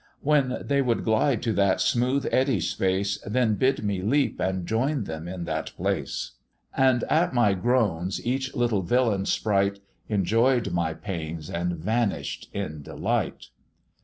When they would glide to that smooth eddy space, Then bid me leap and join them in the place; And at my groans each little villain sprite Enjoy'd my pains and vanish'd in delight.